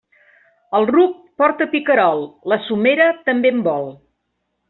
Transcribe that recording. El ruc porta picarol, la somera també en vol.